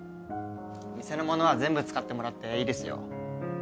店のものは全部使ってもらっていいですよ。